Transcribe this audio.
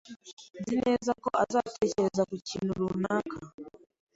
Nzi neza ko azatekereza ku kintu runaka.